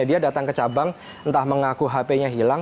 jadi dia datang ke cabang entah mengaku hpnya hilang